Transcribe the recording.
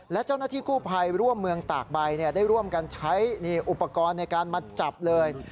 และเจ้าหน้าที่กู้ภัยร่วมเมืองตากใบได้ร่วมกันใช้อุปกรณ์ในการมาจับเลย